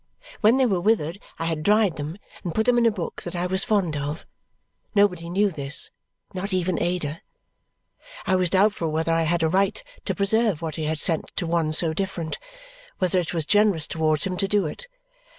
When they were withered I had dried them and put them in a book that I was fond of. Nobody knew this, not even Ada. I was doubtful whether I had a right to preserve what he had sent to one so different whether it was generous towards him to do it.